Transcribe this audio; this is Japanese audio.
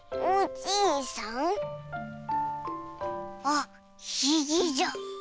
あっひげじゃ！